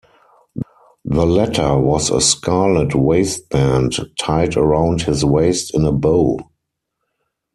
The latter was a scarlet waist-band tied around his waist in a bow.